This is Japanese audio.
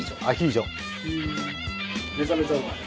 めちゃめちゃうまい。